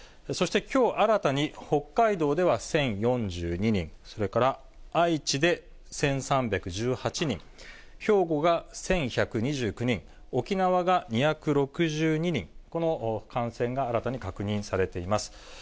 そしてきょう新たに北海道では１０４２人、それから愛知で１３１８人、兵庫が１１２９人、沖縄が２６２人、この感染が新たに確認されています。